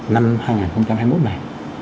năm hai nghìn hai mươi một này